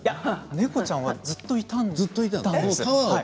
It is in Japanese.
猫ちゃんはずっといたんです。